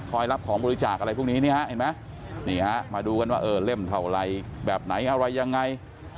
คอยรับของบริจาคอะไรพวกนี้นี่ฮะมาดูกันว่าเล่มเท่าไรแบบไหนอะไรยังไง